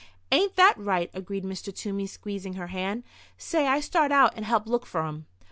"Ain't that right?" agreed Mr. Toomey, squeezing her hand. "Say I start out and help look for um!"